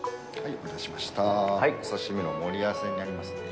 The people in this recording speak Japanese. お刺身の盛り合わせになりますね。